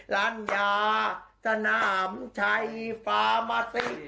ร้านยาสนามชัยฟามาติ